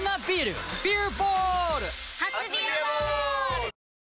初「ビアボール」！